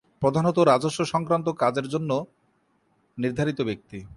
প্রধানত রাজস্ব সংক্রান্ত কাজের জন্য নির্ধারিত ব্যক্তি।